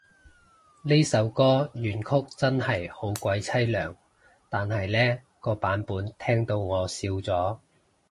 呢首歌原曲真係好鬼淒涼，但係呢個版本聽到我笑咗